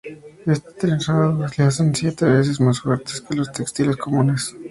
Este trenzado le hacen siete veces más fuertes que los textiles comunes.